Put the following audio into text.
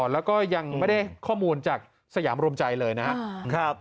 แล้วก็ยังไม่ได้ข้อมูลจากสยามรวมใจเลยนะครับ